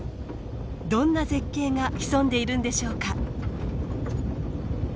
どんな絶景が潜んでいるんでしょうか。